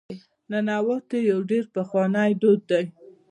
ننواتې یو ډېر پخوانی دود دی.